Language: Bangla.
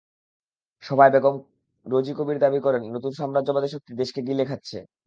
সভায় বেগম রোজী কবির দাবি করেন, নতুন সাম্রাজ্যবাদী শক্তি দেশকে গিলে খাচ্ছে।